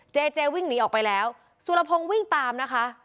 เจเจวิ่งหนีออกไปแล้วสุรพงศ์วิ่งตามนะคะ